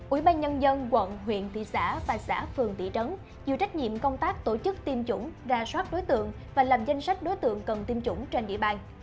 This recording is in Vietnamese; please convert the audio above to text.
ủy ban nhân dân quận huyện thị xã và xã phường thị trấn chịu trách nhiệm công tác tổ chức tiêm chủng ra soát đối tượng và làm danh sách đối tượng cần tiêm chủng trên địa bàn